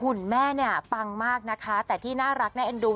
คุณแม่เนี่ยปังมากนะคะแต่ที่น่ารักน่าเอ็นดู